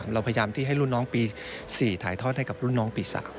เราพยายามที่ให้รุ่นน้องปี๔ถ่ายทอดให้กับรุ่นน้องปี๓